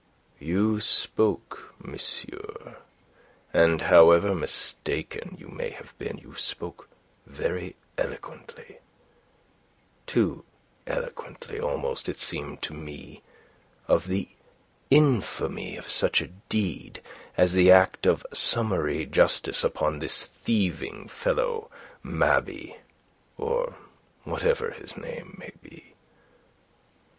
"You spoke, monsieur and however mistaken you may have been, you spoke very eloquently, too eloquently almost, it seemed to me of the infamy of such a deed as the act of summary justice upon this thieving fellow Mabey, or whatever his name may be.